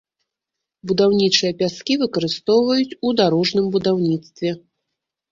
Будаўнічыя пяскі выкарыстоўваюць у дарожным будаўніцтве.